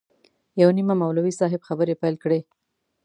یو نیمه مولوي صاحب خبرې پیل کړې.